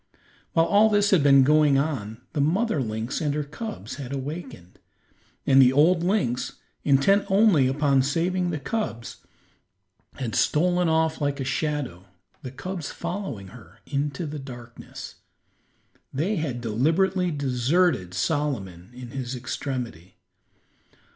While all this had been going on the mother lynx and her cubs had awakened, and the old lynx, intent only upon saving the cubs, had stolen off like a shadow, the cubs following her, into the darkness. They had deliberately deserted Solomon in his extremity.